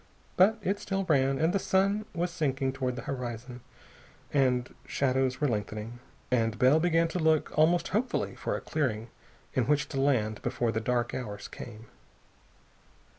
But it still ran, and the sun was sinking toward the horizon and shadows were lengthening, and Bell began to look almost hopefully for a clearing in which to land before the dark hours came.